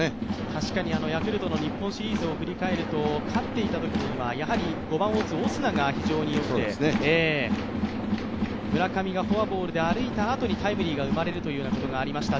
確かに、ヤクルトの日本シリーズを振り返ると、勝っていたときにはやはり５番を打つオスナが非常に打って、村上がフォアボールで歩いたあとに、タイムリーが生まれるということもありました。